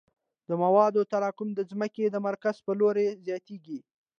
د موادو تراکم د ځمکې د مرکز په لور زیاتیږي